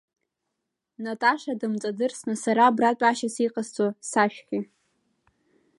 Наташа дымҵадырсны, сара абра тәашьас иҟасҵо сашәҳәи?